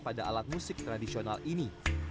pada alat musik tradisional ini